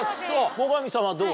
最上さんはどう？